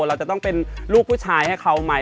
เราจะต้องเป็นลูกผู้ชายให้เขาไหม